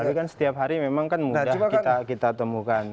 tapi kan setiap hari memang kan mudah kita temukan